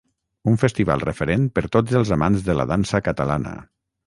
Un festival referent per tots els amants de la dansa catalana.